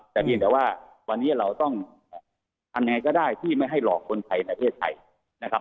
แต่เพียงแต่ว่าวันนี้เราต้องทำยังไงก็ได้ที่ไม่ให้หลอกคนไทยในประเทศไทยนะครับ